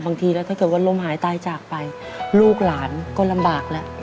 บางทีแล้วถ้าเกิดว่าล้มหายตายจากไปลูกหลานก็ลำบากแล้ว